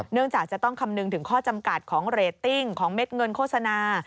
จากจะต้องคำนึงถึงข้อจำกัดของเรตติ้งของเม็ดเงินโฆษณา